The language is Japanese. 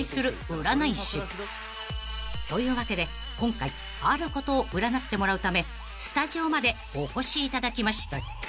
［というわけで今回あることを占ってもらうためスタジオまでお越しいただきました］